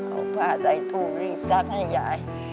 เอาผ้าใส่ถูกรีบซักให้ยาย